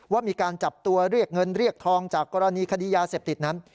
ว่ามีการจับตัวเรียกเงินเรียกทองจากกรณีคดียาเสพติดนั้น